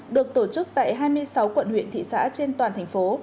được tổ chức tại hai mươi sáu quận huyện thị xã trên toàn thành phố